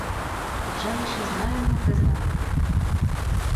Вже ми що знаємо, те знаємо.